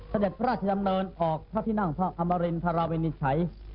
เสด็จพระราชดำเนินออกพระที่นั่งพระอมรินทราวินิจฉัย